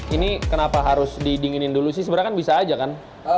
ini kenapa harus didinginin dulu sih sebenarnya kan bisa aja kan